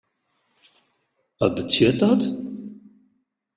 Wat betsjut dat?